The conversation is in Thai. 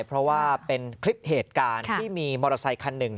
เพราะว่าเป็นคลิปเหตุการณ์ที่มีมอเตอร์ไซคันหนึ่ง